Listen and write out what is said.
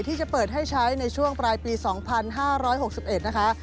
ที่จะเปิดให้ใช้ในช่วงปลายปี๒๕๖๑นะคะ